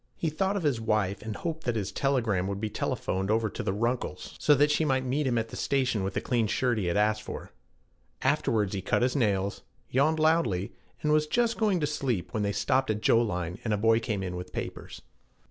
He thought of his wife, and hoped that his telegram would be telephoned over to the Runkles' so that she might meet him at the station with the clean shirt he had asked for. Afterwards he cut his nails, yawned loudly, and was just going to sleep when they stopped at Joline and a boy came in with papers.